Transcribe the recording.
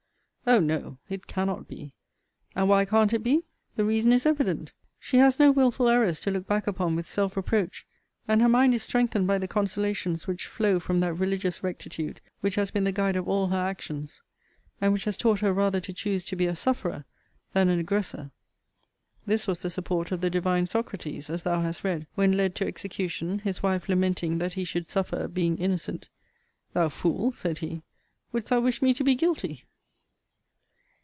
Oh! no! it cannot be! And why can't it be? The reason is evident: she has no wilful errors to look back upon with self reproach and her mind is strengthened by the consolations which flow from that religious rectitude which has been the guide of all her actions; and which has taught her rather to choose to be a sufferer than an aggressor! This was the support of the divine Socrates, as thou hast read. When led to execution, his wife lamenting that he should suffer being innocent, Thou fool, said he, wouldst thou wish me to be guilty!